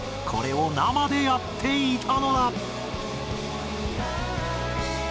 これを生でやっていたのだ。